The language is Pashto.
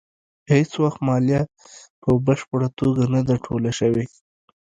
هېڅ وخت مالیه په بشپړه توګه نه ده ټوله شوې.